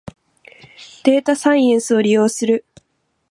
データサイエンスを利用する